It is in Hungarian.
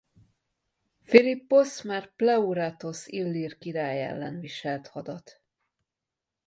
Philipposz már Pleuratosz illír király ellen viselt hadat.